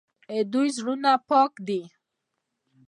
د دوی زړونه پاک دي.